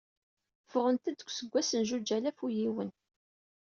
Ffeɣent-d deg useggas n zuǧ alaf u yiwen.